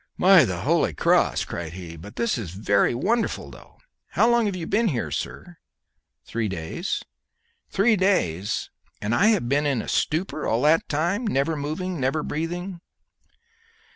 "By the holy cross," cried he, "but this is very wonderful, though. How long have you been here, sir?" "Three days." "Three days! and I have been in a stupor all that time never moving, never breathing?"